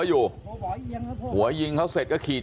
บอกแล้วบอกแล้วบอกแล้ว